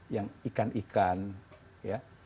yang ikan ikan ya